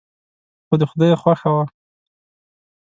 خو د خدای خوښه وه.